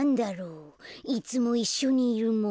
いつもいっしょにいるもの。